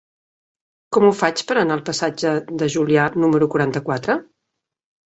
Com ho faig per anar al passatge de Julià número quaranta-quatre?